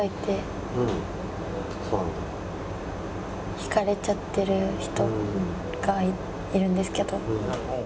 惹かれちゃってる人がいるんですけど。